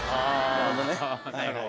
なるほどね。